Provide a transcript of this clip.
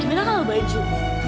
gimana kalau baju